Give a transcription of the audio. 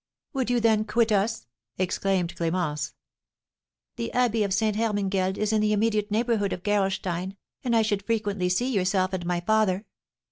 "Would you, then, quit us?" exclaimed Clémence. "The abbey of Ste. Hermangeld is in the immediate neighbourhood of Gerolstein, and I should frequently see yourself and my father."